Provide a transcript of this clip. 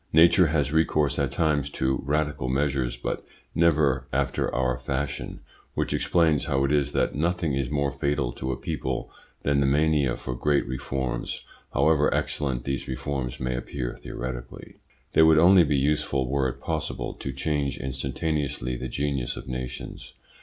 Nature has recourse at times to radical measures, but never after our fashion, which explains how it is that nothing is more fatal to a people than the mania for great reforms, however excellent these reforms may appear theoretically. They would only be useful were it possible to change instantaneously the genius of nations.